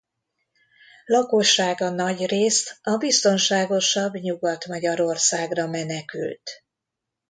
Lakossága nagyrészt a biztonságosabb Nyugat-Magyarországra menekült.